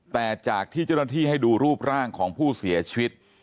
แต่จากที่เจ้าหน้าที่ให้ดูรูปร่างของผู้เสียชีวิต